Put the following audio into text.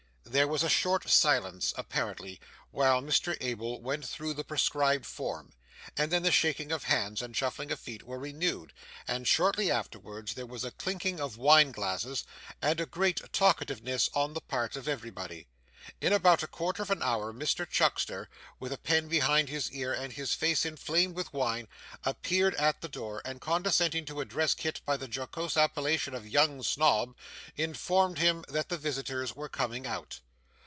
There was a short silence, apparently, while Mr Abel went through the prescribed form, and then the shaking of hands and shuffling of feet were renewed, and shortly afterwards there was a clinking of wine glasses and a great talkativeness on the part of everybody. In about a quarter of an hour Mr Chuckster (with a pen behind his ear and his face inflamed with wine) appeared at the door, and condescending to address Kit by the jocose appellation of 'Young Snob,' informed him that the visitors were coming out.